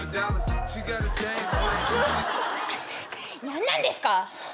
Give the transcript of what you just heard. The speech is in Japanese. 何なんですか！？